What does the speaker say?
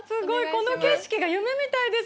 この景色が夢みたいです。